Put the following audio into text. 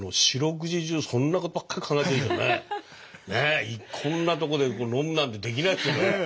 ねえこんなとこで飲むなんてできないですよね。